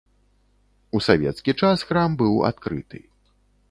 У савецкі час храм быў адкрыты.